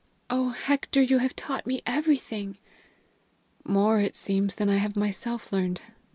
Oh, Hector, you have taught me everything!" "More, it seems, than I have myself learned.